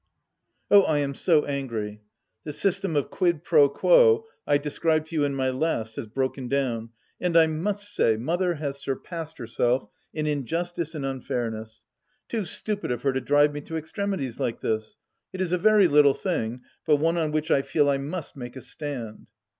Oh, I am so angry! The system of quid pro quos I described to you in my last has broken down, and I must say Mother has surpassed herself in injustice and unfairness. Too stupid of her to drive me to extremities like this ! It is a very little thing, but one on which I feel I must make a stand.